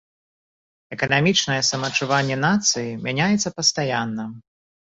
Эканамічнае самаадчуванне нацыі мяняецца пастаянна.